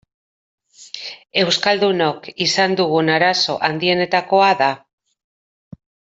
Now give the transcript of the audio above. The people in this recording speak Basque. Euskaldunok izan dugun arazo handienetakoa da.